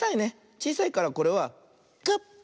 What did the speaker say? ちいさいからこれはコップ。